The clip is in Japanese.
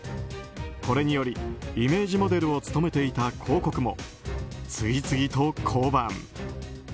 これにより、イメージモデルを務めていた広告も次々と降板。